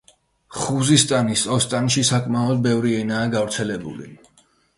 ხუზისტანის ოსტანში საკმაოდ ბევრი ენაა გავრცელებული.